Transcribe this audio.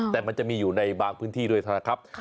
แต่มันจะมีอยู่ในบางพื้นที่ด้วยเท่านั้นครับ